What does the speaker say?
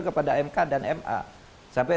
kepada mk dan ma sampai